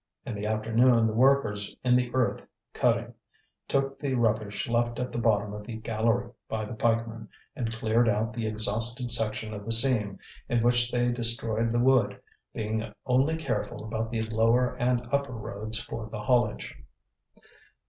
In the afternoon the workers in the earth cutting took the rubbish left at the bottom of the gallery by the pikemen, and cleared out the exhausted section of the seam, in which they destroyed the wood, being only careful about the lower and upper roads for the haulage.